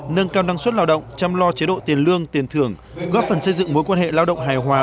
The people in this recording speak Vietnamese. nâng cao năng suất lao động chăm lo chế độ tiền lương tiền thưởng góp phần xây dựng mối quan hệ lao động hài hòa